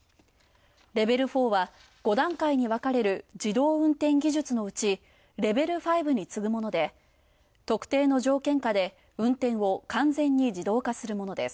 レベル４は５段階に分かれる自動運転技術のうちレベル５に次ぐもので、特定の条件下で運転を完全に自動化するものです。